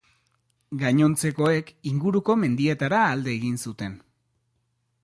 Gainontzekoek inguruko mendietara alde egin zuten.